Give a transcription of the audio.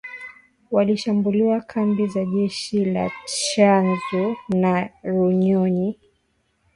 walishambulia kambi za jeshi la Tchanzu na Runyonyi